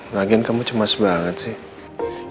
lagian kamu cemas banget sih